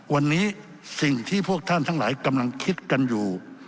วันนี้สิ่งที่พวกท่านทั้งหลายกำลังคิดกันอยู่